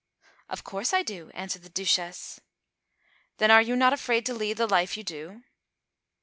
"Of course I do," answered the Duchesse. "Then are you not afraid to lead the life you do?"